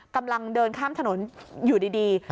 กำลังเดินข้ามถนนอยู่ดี